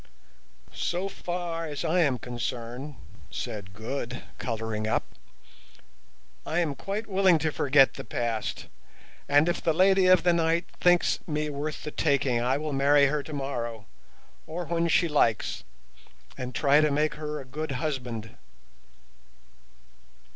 "So far as I am concerned," said Good, colouring up, "I am quite willing to forget the past; and if the Lady of the Night thinks me worth the taking I will marry her tomorrow, or when she likes, and try to make her a good husband."